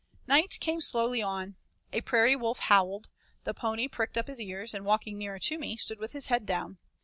Night came slowly on. A prairie wolf howled, the pony pricked up his ears and, walking nearer to me, stood with his head down.